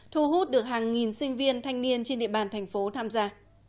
thu hút được hàng nghìn sinh viên thanh niên trên địa bàn thành phố tham gia